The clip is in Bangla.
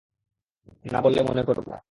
না বললে মনে করব।